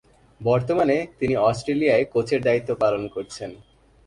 বর্তমানে তিনি অস্ট্রেলিয়ায় কোচের দায়িত্ব পালন করছেন।